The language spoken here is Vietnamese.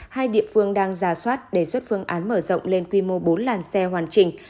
hai địa phương đang ra soát đề xuất phương án mở rộng lên quy mô bốn làn xe hoàn chỉnh